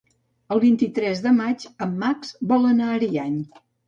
El vint-i-tres de maig en Max vol anar a Ariany.